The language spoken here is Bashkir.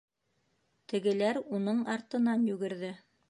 Тегеләр уның артынан йүгерҙе.